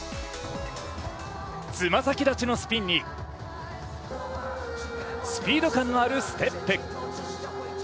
つま先立ちのスピンにスピード感のあるステップ。